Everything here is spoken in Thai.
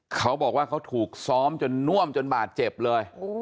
เขาบอกว่าเขาถูกซ้อมจนน่วมจนบาดเจ็บเลย